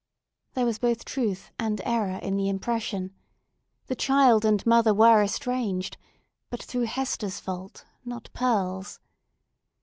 There were both truth and error in the impression; the child and mother were estranged, but through Hester's fault, not Pearl's.